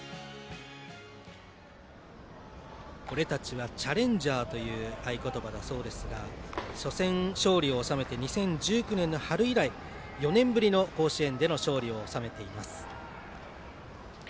「俺たちはチャレンジャー」という合言葉だそうですが初戦、勝利を収めて２０１９年の春以来、４年ぶりの甲子園での勝利を収めています。